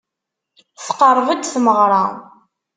Tqerreb-d tmeɣra.